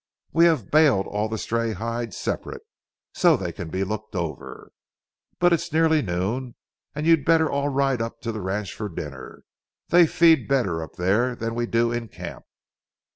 We have baled all the stray hides separate, so they can be looked over. But it's nearly noon, and you'd better all ride up to the ranch for dinner—they feed better up there than we do in camp."